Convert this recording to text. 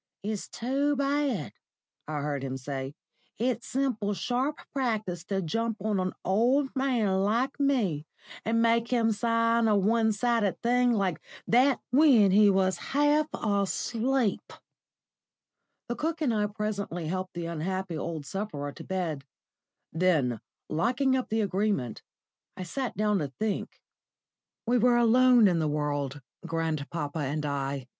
"It's too bad," I heard him say. "It's simple sharp practice to jump on an old man like me, and make him sign a one sided thing like that when he was half asleep!" The cook and I presently helped the unhappy old sufferer to bed. Then, locking up the Agreement, I sat down to think. We were alone in the world, grandpapa and I.